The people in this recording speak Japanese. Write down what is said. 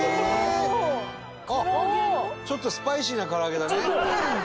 ちょっとスパイシーな唐揚げだね。